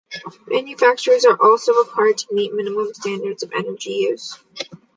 Manufacturers are also required to meet minimum standards of energy use.